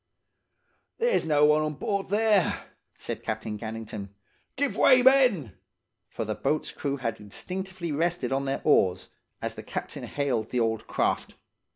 "'There's no one on board there!' said Captain Gannington. 'Give way, men!' For the boat's crew had instinctively rested on their oars, as the captain hailed the old craft.